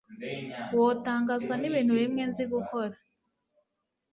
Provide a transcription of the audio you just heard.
wotangazwa nibintu bimwe nzi gukora